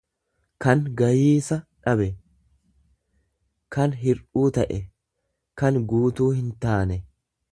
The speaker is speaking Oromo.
kan gayiisa dhabe, kan hir'uu ta'e, kan guutuu hintaane.